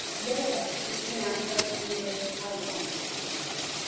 Iota is pronounced like the English ie.